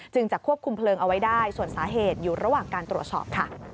จะควบคุมเพลิงเอาไว้ได้ส่วนสาเหตุอยู่ระหว่างการตรวจสอบค่ะ